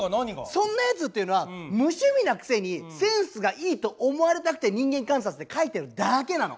そんなやつっていうのは無趣味なくせにセンスがいいと思われたくて「人間観察」って書いてるだけなの。